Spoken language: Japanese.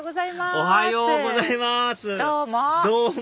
おはようございますどうも。